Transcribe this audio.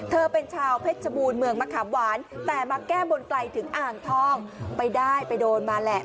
เธอเป็นชาวเพชรบูรณ์เมืองมะขามหวานแต่มาแก้บนไกลถึงอ่างทองไปได้ไปโดนมาแหละ